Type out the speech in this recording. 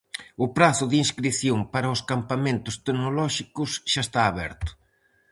O prazo de inscrición para os campamentos tecnolóxicos xa está aberto.